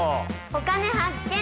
「お金発見」。